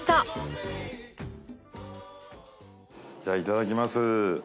じゃあいただきます。